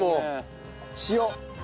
塩。